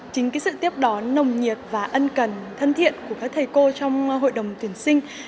chính sự tiếp đón nồng nhiệt và ân cần thân thiện của các thầy cô trong hội đồng tuyển sinh